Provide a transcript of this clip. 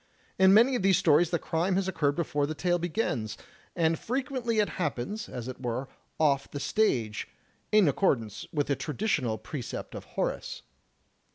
In many of these stories the crime has occurred before the tale begins; and frequently it happens, as it were, off the stage, in accordance with the traditional precept of Horace.